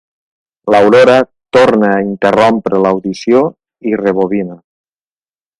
L'Aurora torna a interrompre l'audició i rebobina.